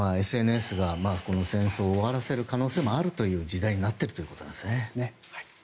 ＳＮＳが戦争を終わらせる可能性もあるという時代になっているということですね。